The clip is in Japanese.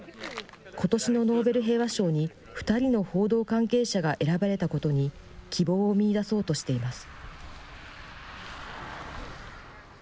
ことしのノーベル平和賞に、２人の報道関係者が選ばれたことに、希望を見いだそうとしています。